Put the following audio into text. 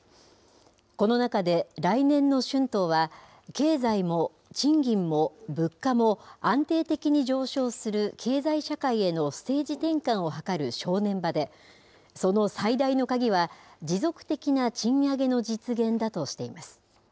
この中で来年の春闘は、経済も賃金も物価も安定的に上昇する経済社会へのステージ転換を図る正念場で、その最大の鍵は、持続的な賃上げの実現だとしています。